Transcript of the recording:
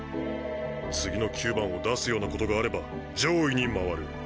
次の９番を出すようなことがあれば上位にまわる。